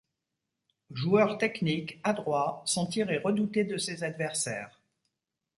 Joueur technique, adroit, son tir est redouté de ses adversaires.